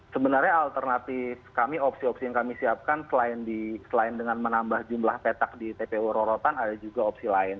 sebenarnya alternatif kami opsi opsi yang kami siapkan selain dengan menambah jumlah petak di tpu rorotan ada juga opsi lain